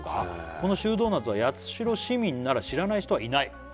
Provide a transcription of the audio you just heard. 「このシュードーナツは八代市民なら知らない人はいない」